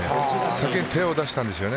先に手を出したんですよね。